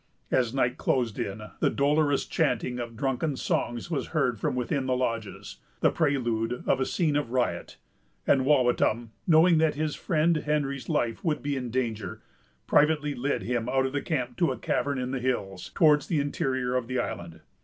As night closed in, the dolorous chanting of drunken songs was heard from within the lodges, the prelude of a scene of riot; and Wawatam, knowing that his friend Henry's life would be in danger, privately led him out of the camp to a cavern in the hills, towards the interior of the island.